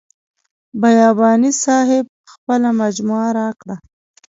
بیاباني صاحب خپله مجموعه راکړه.